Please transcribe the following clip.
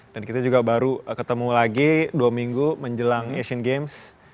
dan kita juga baru ketemu lagi dua minggu menjelang asian games